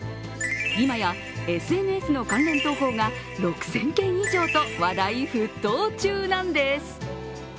今や、ＳＮＳの関連投稿が６０００件以上と、話題沸騰中なんです。